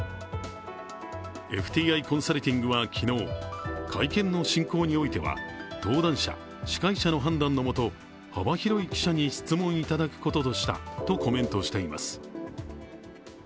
ＦＴＩコンサルティングは昨日会見の進行においては、登壇者、司会者の判断のもと幅広い記者に質問いただくことにしたとコメントしています。